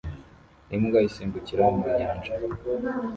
Imbwa isimbukira mu nyanja